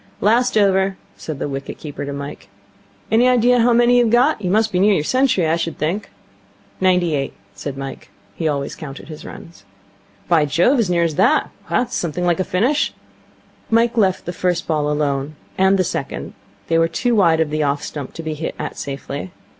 'Last over,' said the wicket keeper to Mike. 'Any idea how many you've got? You must be near your century, I should think.' 'Ninety eight,' said Mike. He always counted his runs. 'By Jove, as near as that? This is something like a finish.' Mike left the first ball alone, and the second. They were too wide of the off stump to be hit at safely.